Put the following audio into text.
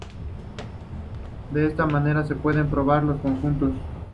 De esta manera se pueden podar los conjuntos.